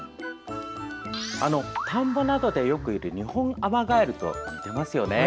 田んぼなどでよくいるニホンアマガエルとよく似ていますよね。